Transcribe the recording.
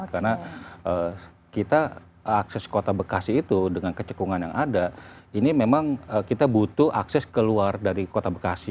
karena kita akses kota bekasi itu dengan kecekungan yang ada ini memang kita butuh akses keluar dari kota bekasi